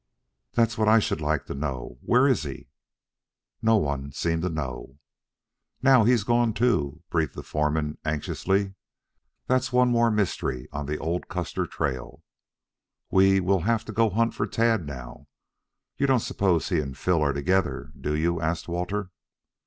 "That's what I should like to know? Where is he?" No one seemed to know. "Now, he's gone, too," breathed the foreman anxiously. "That's one more mystery on the old Custer trail." "We we'll have to go hunt for Tad now. You don't suppose he and Phil are together, do you?" asked Walter.